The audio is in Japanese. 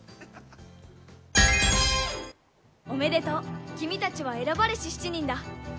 公開が来おめでとう、君たちは選ばれし７人だ。